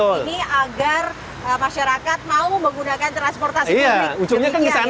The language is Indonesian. ini agar masyarakat mau menggunakan transportasi publik